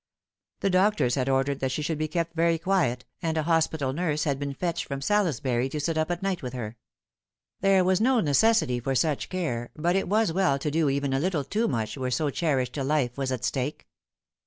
The doctors had ordered that she should be kept very quiet, and a hospital nurse had been fetched from Salisbury to sit up at night with her. There was no necessity for such care, but it was well to do even a little too much where so cherished a life was at stake.